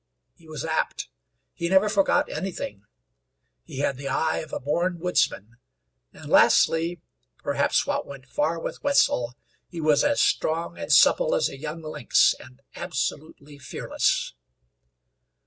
He was apt; he never forgot anything; he had the eye of a born woodsman, and lastly, perhaps what went far with Wetzel, he was as strong and supple as a young lynx, and absolutely fearless.